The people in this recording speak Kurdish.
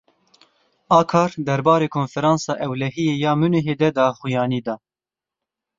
Akar derbarê Konferansa Ewlehiyê ya Munîhê de daxuyanî da.